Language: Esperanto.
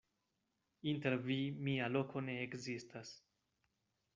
Inter vi mia loko ne ekzistas.